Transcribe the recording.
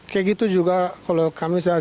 kayak gitu juga kalau kami saya